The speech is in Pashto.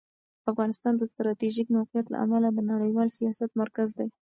افغانستان د ستراتیژیک موقعیت له امله د نړیوال سیاست مرکز دی.